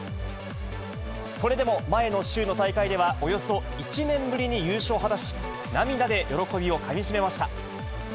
それでも、前の週の大会ではおよそ１年ぶりに優勝を果たし、涙で喜びをかみしめました。